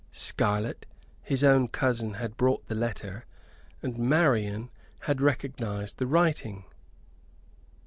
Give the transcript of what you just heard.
Scarlett, his own cousin, had brought the letter, and Marian had recognized the writing.